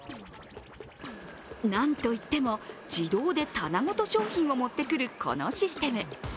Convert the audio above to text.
なんといっても自動で棚ごと商品を持ってくるこのシステム。